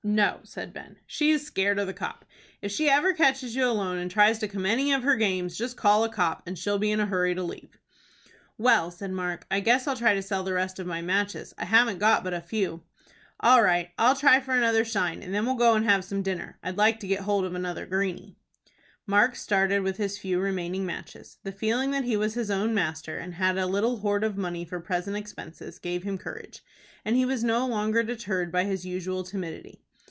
"No," said Ben, "she's scared of the copp. If she ever catches you alone, and tries to come any of her games, just call a copp, and she'll be in a hurry to leave." "Well," said Mark, "I guess I'll try to sell the rest of my matches. I haven't got but a few." "All right; I'll try for another shine, and then we'll go and have some dinner. I'd like to get hold of another greeny." Mark started with his few remaining matches. The feeling that he was his own master, and had a little hoard of money for present expenses, gave him courage, and he was no longer deterred by his usual timidity.